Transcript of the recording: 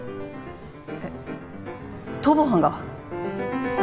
えっ逃亡犯が！？